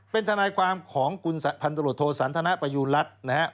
เป็นธนายความของคุณพันธุรกิจโทสันทนะปยุรัติ